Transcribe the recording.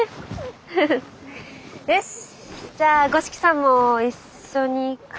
よしじゃあ五色さんも一緒に。